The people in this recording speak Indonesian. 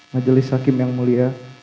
majelis hakim yang mulia